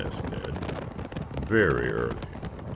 asked Ned. "Very early.